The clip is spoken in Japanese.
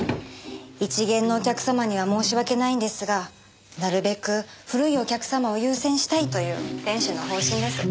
一見のお客様には申し訳ないんですがなるべく古いお客様を優先したいという店主の方針です。